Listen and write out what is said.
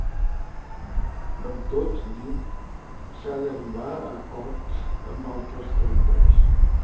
Amb tot, diu, s’ha d’arribar a acords amb els altres territoris.